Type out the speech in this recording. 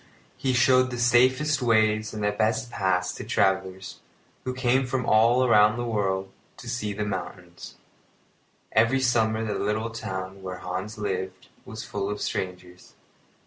He showed the safest ways and best paths to travellers, who came from all over the world to see the mountains. Every summer the little town where Hans lived was full of strangers.